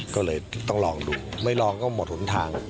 ก็เลยต้องลองดูไม่ลองก็หมดหนทาง